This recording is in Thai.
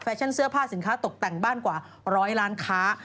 เช่นเสื้อผ้าสินค้าตกแต่งบ้านกว่าร้อยล้านค้า